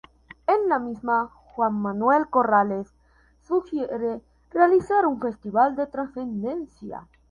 En la misma, Juan Manuel Corrales sugiere realizar un Festival de trascendencia.